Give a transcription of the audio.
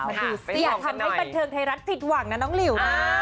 มันดูสิอย่าทำให้บันเทิงไทยรัฐผิดหวังนะน้องหลิว